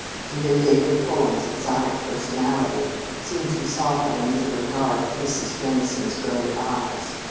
Even David Fulham's exotic personality seemed to soften under the regard of Mrs. Dennison's gray eyes.